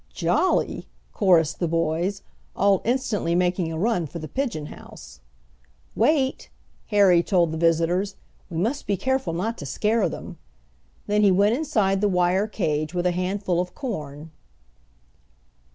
"Jolly!" chorused the boys, all instantly making a run for the pigeon house. "Wait!" Harry told the visitors. "We must be careful not to scare them." Then he went inside the wire cage with a handful of corn.